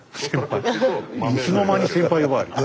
いつの間に先輩呼ばわり。